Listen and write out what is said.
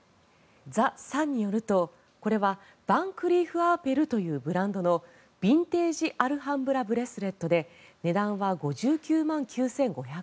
ザ・サンによるとこれはヴァンクリーフ＆アーペルというブランドのヴィンテージアルハンブラブレスレットで値段は５９万９５００円です。